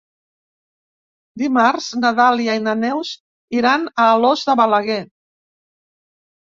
Dimarts na Dàlia i na Neus iran a Alòs de Balaguer.